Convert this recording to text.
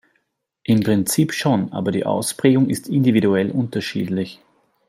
Im Prinzip schon, aber die Ausprägung ist individuell unterschiedlich.